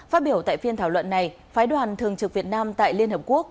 phát biểu tại phiên thảo luận này phái đoàn thường trực việt nam tại liên hợp quốc